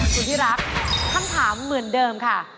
คุณที่รักคำถามเหมือนเดิมค่ะ